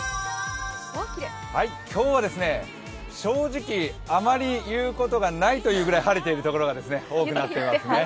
今日は正直、あまり言うことはないというぐらい晴れている所が多くなっています。